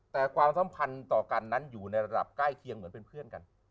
แต่ความสัมพันธ์ต่อกันนั้นอยู่ในระดับใกล้เคียงเหมือนเป็นเพื่อนกัน